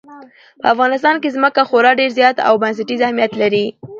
په افغانستان کې ځمکه خورا ډېر زیات او بنسټیز اهمیت لري.